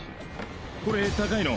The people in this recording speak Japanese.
これ高いの？